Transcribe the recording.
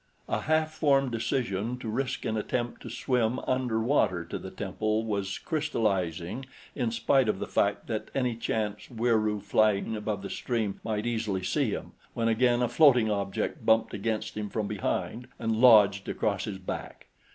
A half formed decision to risk an attempt to swim under water to the temple was crystallizing in spite of the fact that any chance Wieroo flying above the stream might easily see him, when again a floating object bumped against him from behind and lodged across his back.